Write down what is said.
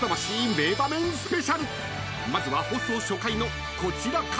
［まずは放送初回のこちらから］